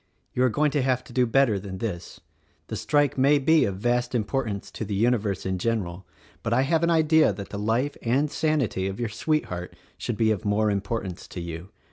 you are going to have to do better than this. The strike may be of vast importance to the universe in general, but I have an idea that the life and sanity of your sweetheart should be of more importance to you.